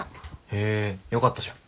へぇよかったじゃん。